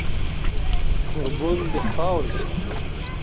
کوربون د خاورې شه